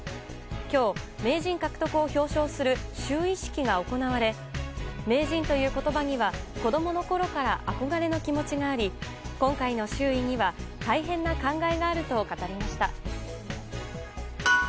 今日、名人獲得を表彰する就位式が行われ名人という言葉には子供のころから憧れの気持ちがあり今回の就位には大変な感慨があると語りました。